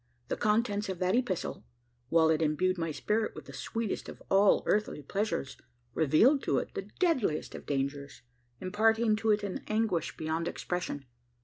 The contents of that epistle, while it imbued my spirit with the sweetest of all earthly pleasures, revealed to it the deadliest of dangers imparting to it an anguish beyond expression.